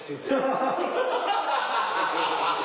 アハハハハ！